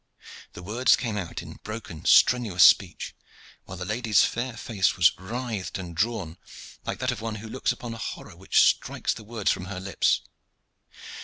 The words came out in broken, strenuous speech, while the lady's fair face was writhed and drawn like that of one who looks upon a horror which strikes the words from her lips.